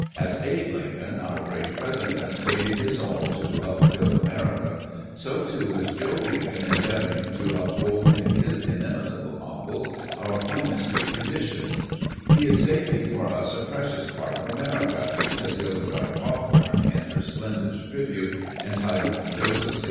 As Abe Lincoln, our great Presi dent, gave his all to upbuild America, so, too, is Joe Lincoln endeavoring to uphold in his inimitable novels our finest JOSEPH CROSBY LIXCOLX 13 traditions. "He is saving for us a precious part of America," says Hildegarde Hawtliorne in her splendid tribute entitled "Joseph C.